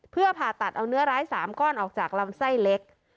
เพื่อผ่าตัดเอาเนื้อร้าย๓ก้อนออกจากลำไส้เล็ก